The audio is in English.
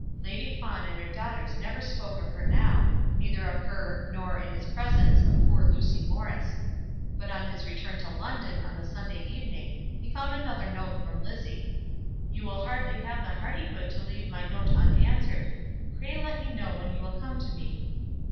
Lady Fawn and her daughters never spoke of her now, neither of her, nor, in his presence, of poor Lucy Morris. But on his return to London on the Sunday evening he found another note from Lizzie. "You will hardly have the hardihood to leave my note unanswered. Pray let me know when you will come to me."